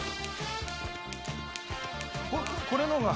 これの方が。